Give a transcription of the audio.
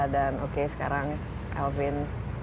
dan oke sekarang elvin